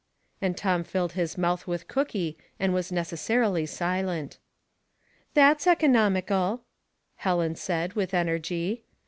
" And Tom filled hia mouth with cookie, and was necessarily silent. " That's economical! " Helen said, with energy 20 Household Puzzles.